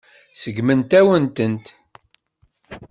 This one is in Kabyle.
Seggment-awen-tent.